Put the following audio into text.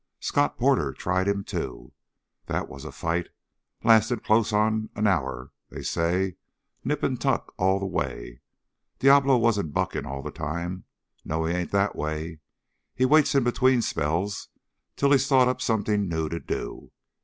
Scott Porter tried him, too. That was a fight! Lasted close onto an hour, they say, nip and tuck all the way. Diablo wasn't bucking all the time. No, he ain't that way. He waits in between spells till he's thought up something new to do.